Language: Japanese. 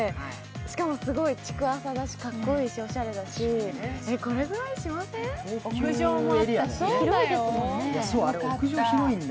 しかもすごい築浅だし、かっこいいし、おしゃれだし、これぐらいしません？